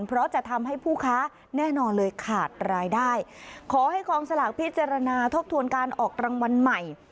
เพราะจะทำให้ผู้ค้าแน่นอนเลยขาดรายได้ขอให้กองสลากพิจารณาทบทวนการออกรางวัลใหม่